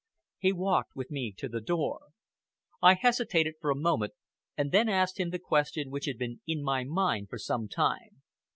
He walked with me to the door. I hesitated for a moment, and then asked him the question which had been in my mind for some time.